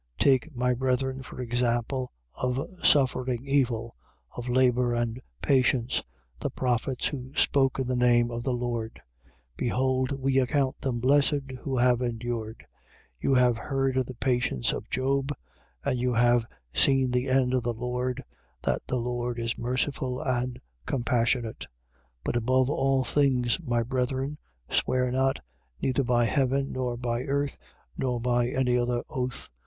5:10. Take, my brethren, for example of suffering evil, of labour and patience, the prophets who spoke in the name of the Lord. 5:11. Behold, we account them blessed who have endured. You have heard of the patience of Job and you have seen the end of the Lord, that the Lord is merciful and compassionate. 5:12. But above all things, my brethren, swear not, neither by heaven, nor by the earth, nor by any other oath.